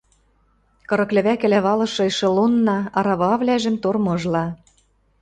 Кырык лӹвӓкӹлӓ валышы эшелонна арававлӓжӹм тормыжла.